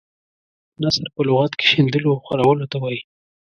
نثر په لغت کې شیندلو او خورولو ته وايي.